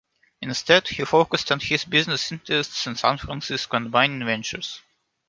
Instead, he focused on his business interests in San Francisco and mining ventures.